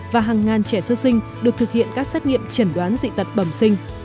và hàng ngàn trẻ sơ sinh được thực hiện các xét nghiệm chẩn đoán dị tật bẩm sinh